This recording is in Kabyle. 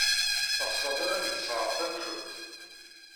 Teɣsed ad am-d-sɣeɣ tanfult?